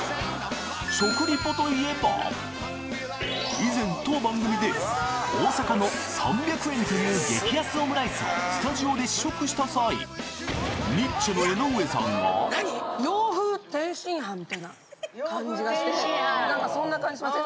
以前当番組で大阪の３００円という激安オムライスをスタジオで試食した際感じがしてなんかそんな感じしません？